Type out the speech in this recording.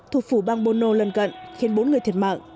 thủ phủ bang bono lân cận khiến bốn người thiệt mạng